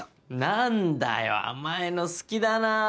何だよ甘いの好きだなぁ。